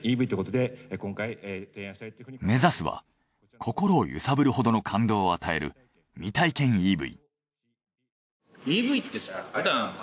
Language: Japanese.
目指すは心を揺さぶるほどの感動を与える未体験ＥＶ。